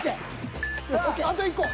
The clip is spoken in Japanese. あと１個。